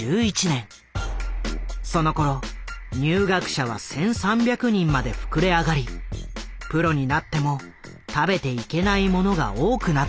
そのころ入学者は１，３００人まで膨れ上がりプロになっても食べていけない者が多くなっていた。